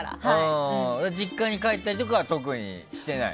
実家に帰ったりとかは特にしていない？